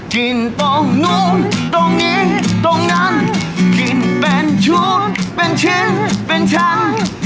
กินตรงนู้นตรงนี้ตรงนั้นกินเป็นชุดเป็นชิ้นเป็นชั้น